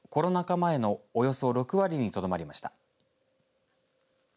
前のおよそ６割にとどまりました。